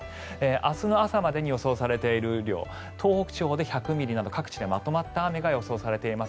明日の朝までに予想されている雨量東北地方で１００ミリなど各地でまとまった雨が予想されます。